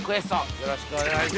よろしくお願いします。